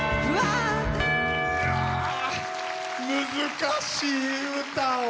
難しい歌を。